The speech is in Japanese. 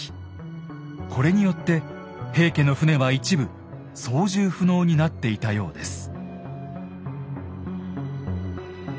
これによって平家の船は一部操縦不能になっていたようです。